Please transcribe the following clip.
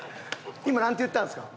今なんて言ったんですか？